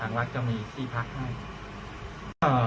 ทางวัดจะมีซี่พักให้อ่า